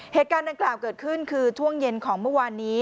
เหตุการณ์ดังกล่าวเกิดขึ้นคือช่วงเย็นของเมื่อวานนี้